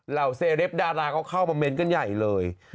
เหล่าเศรษฐ์ดาราก็เข้ามาเม้นต์กันใหญ่เลย